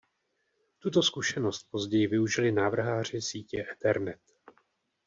Tuto zkušenost později využili návrháři sítě Ethernet.